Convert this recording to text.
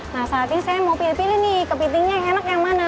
nah saat ini saya mau pilih pilih nih kepitingnya yang enak yang mana